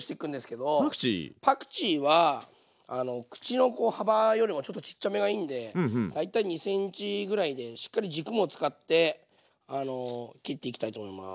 パクチーは口の幅よりもちょっとちっちゃめがいいんで大体２ｃｍぐらいでしっかり軸も使って切っていきたいと思います。